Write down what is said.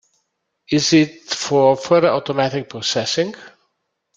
Is it for further automatic processing?